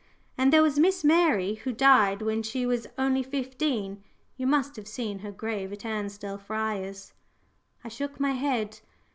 "And there was Miss Mary, who died when she was only fifteen. You must have seen her grave at Ansdell Friars." I shook my head.